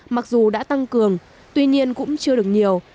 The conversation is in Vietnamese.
mặc dù đã tăng cường tuy nhiên cũng chưa được nhiều